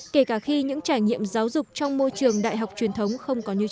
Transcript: kể cả khi những trải nghiệm giáo dục trong môi trường đại học truyền thống không có như trước